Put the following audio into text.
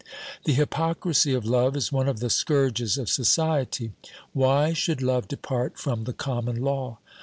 The hypocrisy of love is one of the scourges of society. Why should love depart from the common law?